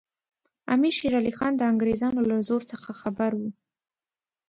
امیر شېر علي خان د انګریزانو له زور څخه خبر وو.